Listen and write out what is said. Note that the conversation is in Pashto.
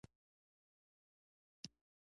انګلستان به په خپل ټول قوت له ایران څخه دفاع کوي.